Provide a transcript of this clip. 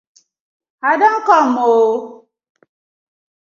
I don kom oo!!